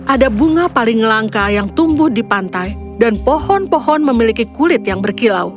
ada bunga paling langka yang tumbuh di pantai dan pohon pohon memiliki kulit yang berkilau